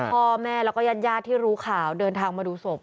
พ่อแม่แล้วก็ญาติญาติที่รู้ข่าวเดินทางมาดูศพ